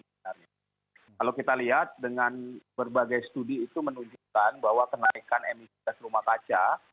kalau kita lihat dengan berbagai studi itu menunjukkan bahwa kenaikan emisi gas rumah kaca